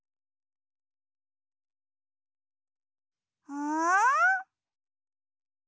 うん？